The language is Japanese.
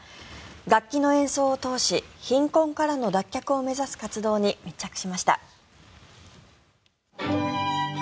楽器の演奏を通し貧困からの脱却を目指す活動に密着しました。